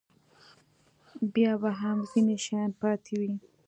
بیا به هم ځینې شیان پاتې وي.